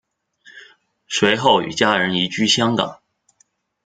随后与家人移居香港。